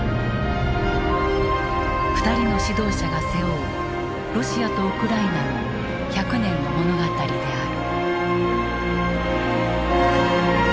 ２人の指導者が背負うロシアとウクライナの１００年の物語である。